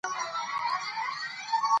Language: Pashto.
موږ باید بازار ګرم وساتو.